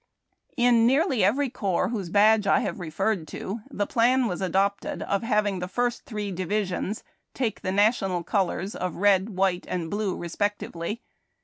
■ In nearl}^ every corps whose badge I have referred to, the plan was adopted of having the first three divisions take the national colors of red, white, and blue respectively.